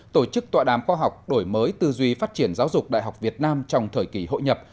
tổ chức tọa đàm khoa học đổi mới tư duy phát triển giáo dục đại học việt nam trong thời kỳ hội nhập